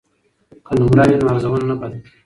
که نمره وي نو ارزونه نه پاتې کیږي.